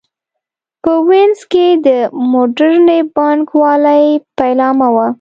په وینز کې د موډرنې بانک والۍ پیلامه وه.